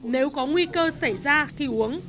nếu có nguy cơ xảy ra khi uống